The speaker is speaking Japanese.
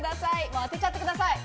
当てちゃってください。